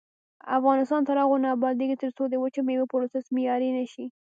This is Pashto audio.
افغانستان تر هغو نه ابادیږي، ترڅو د وچو میوو پروسس معیاري نشي.